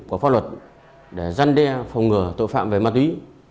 có pháp luật để dân đe phòng ngừa tội phạm về ma túy